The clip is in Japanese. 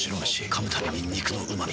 噛むたびに肉のうま味。